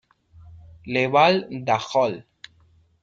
Le Val-d'Ajol